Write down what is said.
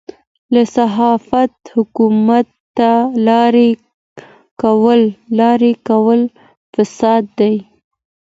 له صحافته حکومت ته لاره کول فساد دی.